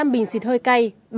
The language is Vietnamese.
một mươi năm bình xịt hơi cay